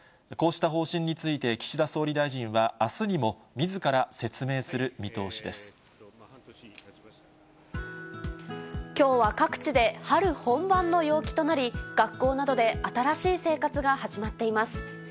こうした方針について岸田総理大臣はあすにも、みずから説明するきょうは各地で春本番の陽気となり、学校などで新しい生活が始まっています。